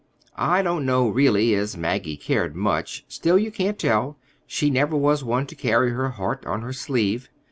I don't know, really, as Maggie cared much. Still, you can't tell. She never was one to carry her heart on her sleeve.